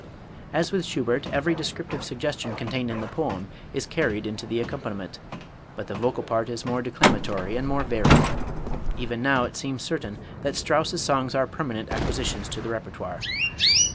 As with Schubert, every descriptive suggestion contained in the poem is carried into the accompaniment, but the vocal part is more declamatory and more varied. Even now it seems certain that Strauss's songs are permanent acquisitions to the repertoire.